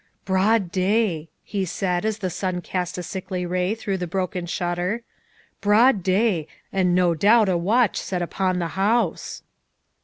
" Broad day," he said as the sun cast a sickly ray through the broken shutter, " broad day, and no doubt a watch set upon the house."